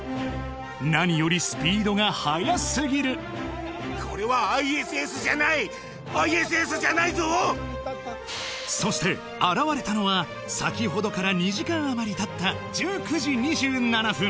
何よりスピードが速すぎるこれはＩＳＳじゃないＩＳＳじゃないぞそして現れたのは先ほどから２時間あまりたった１９時２７分